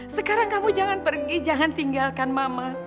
sekarang kamu jangan pergi jangan tinggalkan mama